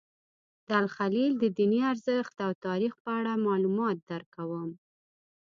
د الخلیل د دیني ارزښت او تاریخ په اړه معلومات درکوم.